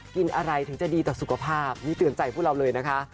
กินอะไรถึงจะดีต่อสุขภาพนี่เตือนใจพวกเราเลยนะคะ